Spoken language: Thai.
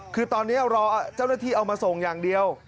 คือตอนนี้รอเจ้าหน้าที่เอามาส่งอย่างเดียว